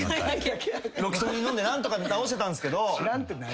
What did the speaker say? ロキソニン飲んで何とか治してたんすけど。